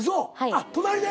あっ隣で？